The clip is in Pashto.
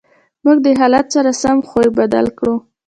موږ د حالت سره سم خوی بدل کړو.